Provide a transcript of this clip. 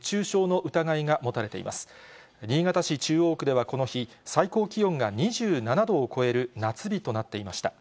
新潟市中央区ではこの日、最高気温が２７度を超える夏日となっていました。